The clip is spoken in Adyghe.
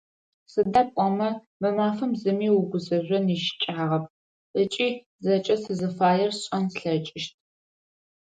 Сыда пӏомэ мы мафэм зыми угузэжъон ищыкӏагъэп ыкӏи зэкӏэ сызыфаер сшӏэн слъэкӏыщт.